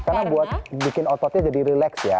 karena buat bikin ototnya jadi relax ya